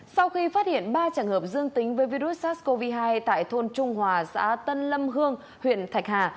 sau khi phát hiện ba trường hợp dương tính với virus sars cov hai tại thôn trung hòa xã tân lâm hương huyện thạch hà